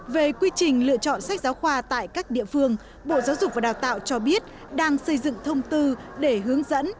về quy trình lựa chọn sách giáo khoa tại các địa phương bộ giáo dục và đào tạo cho biết đang xây dựng thông tư để hướng dẫn